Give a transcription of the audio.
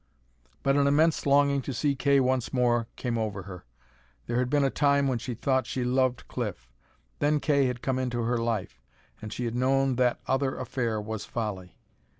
But an immense longing to see Kay once more came over her. There had been a time when she thought she loved Cliff; then Kay had come into her life, and she had known that other affair was folly.